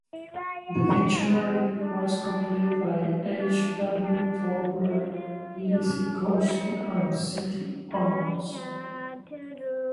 The dictionary was completed by H. W. Fowler, Jessie Coulson, and C. T. Onions.